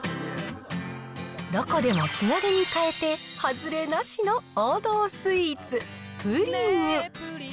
どこでも気軽に買えて、外れなしの王道スイーツ、プリン。